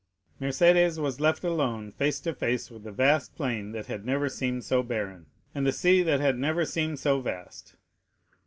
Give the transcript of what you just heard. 0165m Mercédès was left alone face to face with the vast plain that had never seemed so barren, and the sea that had never seemed so vast.